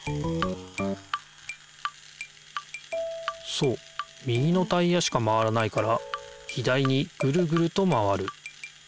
そう右のタイヤしか回らないから左にぐるぐると回る。